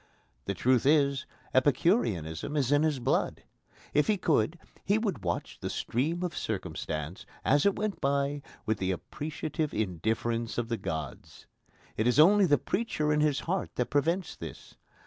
The truth is, Epicureanism is in his blood. If he could, he would watch the stream of circumstance, as it went by, with the appreciative indifference of the gods. It is only the preacher in his heart that prevents this.